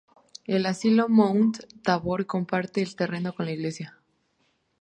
El asilo Mount Tabor comparte el terreno con la iglesia.